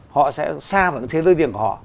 họ sẽ xa vào thế giới riêng của họ